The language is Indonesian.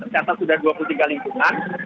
di atas sudah dua puluh tiga lingkungan